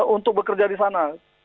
untuk bekerja di sana